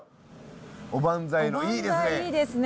おばんざいのいいですね！